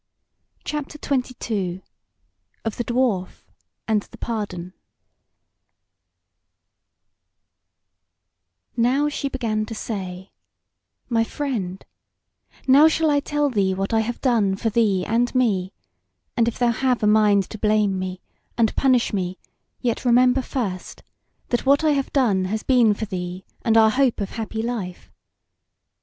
CHAPTER XXII: OF THE DWARF AND THE PARDON Now she began to say: "My friend, now shall I tell thee what I have done for thee and me; and if thou have a mind to blame me, and punish me, yet remember first, that what I have done has been for thee and our hope of happy life.